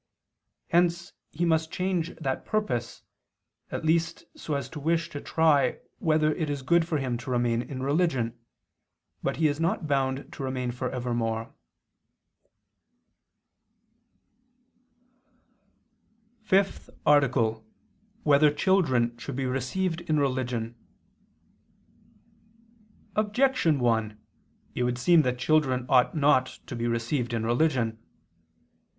Hence he must change that purpose, at least so as to wish to try whether it is good for him to remain in religion, but he is not bound to remain for evermore. _______________________ FIFTH ARTICLE [II II, Q. 189, Art. 5] Whether Children Should Be Received in Religion? Objection 1: It would seem that children ought not to be received in religion.